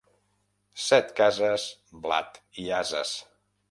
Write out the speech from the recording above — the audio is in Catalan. Set cases, blat i ases.